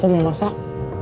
aku mau masak